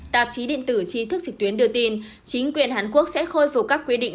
tạp chí điện tử trí thức trực tuyến đưa tin chính quyền hàn quốc sẽ khôi phục các quy định